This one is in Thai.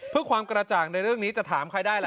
เพื่อความกระจ่างในเรื่องนี้จะถามใครได้ล่ะ